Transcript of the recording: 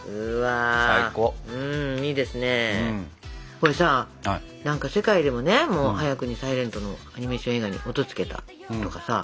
これさ世界でもね早くにサイレントのアニメーション映画に音つけたとかさ